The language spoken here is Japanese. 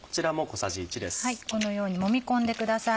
このようにもみ込んでください。